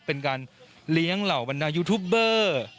เป็นการเลี้ยงเหล่าบรรดายูทูปเบอร์